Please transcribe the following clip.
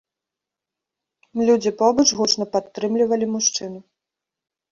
Людзі побач гучна падтрымлівалі мужчыну.